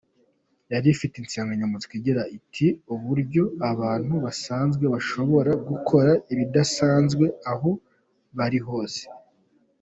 Yari ifite insanganyamatsiko igira iti “Uburyo abantu basanzwe bashobora gukora ibidasanzwe aho bari hose.